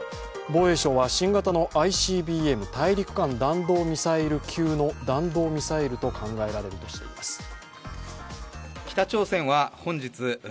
防衛省は新型のＩＣＢＭ＝大陸間弾道ミサイル級の弾道ミサイルと考えられるとしています。